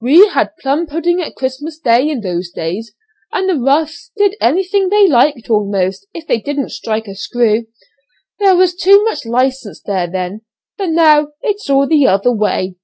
We had plum pudding at Christmas in those days, and the roughs did anything they liked almost, if they didn't strike a screw. There was too much license there then, but now it's all the other way.